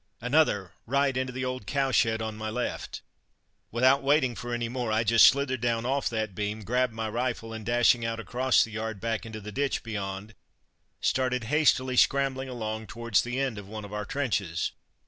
Another, right into the old cowshed on my left. Without waiting for any more I just slithered down off that beam, grabbed my rifle and dashing out across the yard back into the ditch beyond, started hastily scrambling along towards the end of one of our trenches.